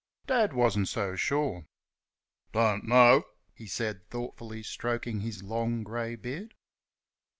Dad wasn't so sure. "Don't know," he said, thoughtfully stroking his long grey beard.